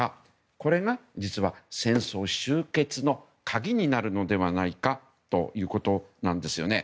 これが実は戦争終結の鍵になるのではないかということです。